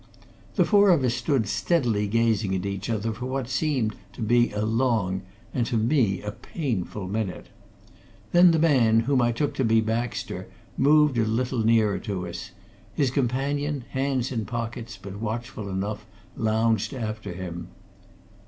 The four of us stood steadily gazing at each other for what seemed to be a long and to me a painful minute. Then the man whom I took to be Baxter moved a little nearer to us; his companion, hands in pockets, but watchful enough, lounged after him.